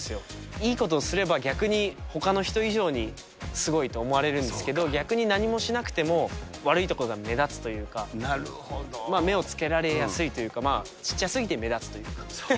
いいことをすれば逆にほかの人以上にすごいと思われるんですけど、逆に何もしなくても悪いところが目立つというか、目をつけられやすいというか、ちっちゃすぎて目立つというか。